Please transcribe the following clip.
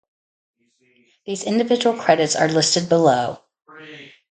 These individual credits are listed below.